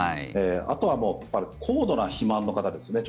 あとは高度な肥満の方ですね。